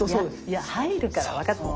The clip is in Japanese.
いや入るから分かってる。